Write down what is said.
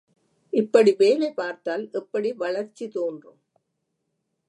இப்படி வேலை பார்த்தால் எப்படி வளர்ச்சி தோன்றும்.